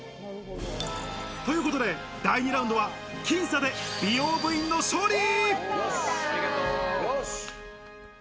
ということで、第２ラウンドは僅差で美容部員の勝利。